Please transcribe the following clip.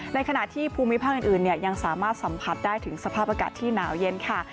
ในขณะที่ภูมิภาคอื่นยังสามารถสัมผัสได้ถึงสภาพอากาศที่หนาวเย็นค่ะ